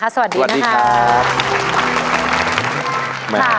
สวัสดีค่ะ